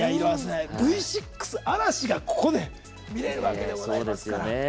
Ｖ６、嵐がここで見れるわけでございますから。